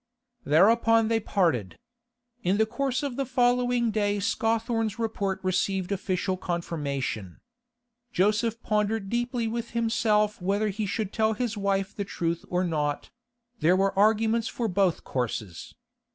Thereupon they parted. In the course of the following day Scawthorne's report received official confirmation. Joseph pondered deeply with himself whether he should tell his wife the truth or not; there were arguments for both courses.